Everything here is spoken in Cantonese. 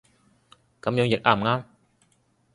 噉樣譯啱唔啱